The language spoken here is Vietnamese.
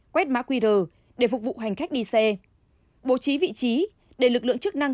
quét mã qr để phục vụ hành khách đi xe bố trí vị trí để lực lượng chức năng